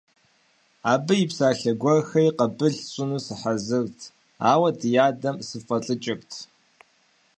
Абы и псалъэ гуэрхэри къабыл сщӀыну сыхьэзырт, ауэ ди адэм сыфӏэлӏыкӏырт.